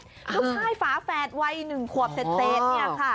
ลูกชายฝาแฝดวัย๑ขวบเศษเนี่ยค่ะ